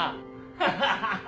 ハハハハ！